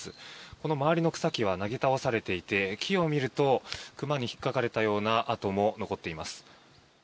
この周りの草木はなぎ倒されていて木を見ると熊に引っかかれたような跡も残っています。